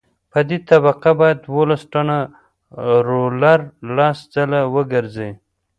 په دې طبقه باید دولس ټنه رولر لس ځله وګرځي